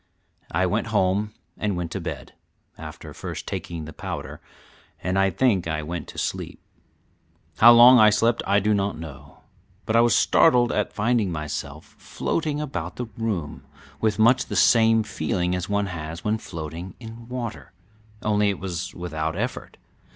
I went home and went to bed, after first taking the powder, and I think I went to sleep. How long I slept I do not know, but I was startled at finding myself floating about the room with much the same feeling as one has when floating in water, only it was without effort.